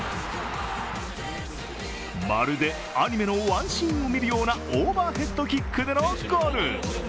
まるでアニメのワンシーンを見るようなオーバーヘッドキックでのゴール。